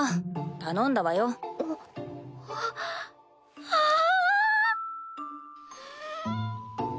頼んだわよあっあっわあんん。